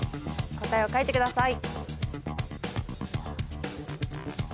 答えを書いてください。